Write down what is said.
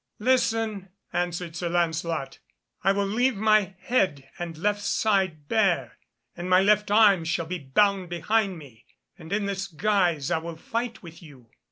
"Listen," answered Sir Lancelot. "I will leave my head and left side bare, and my left arm shall be bound behind me, and in this guise I will fight with you."